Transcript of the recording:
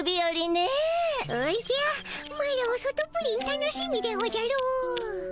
おじゃマロ外プリン楽しみでおじゃる。